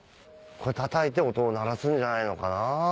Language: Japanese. たたいて音を鳴らすんじゃないのかな？